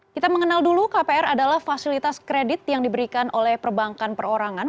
kita mengenal dulu kpr adalah fasilitas kredit yang diberikan oleh perbankan perorangan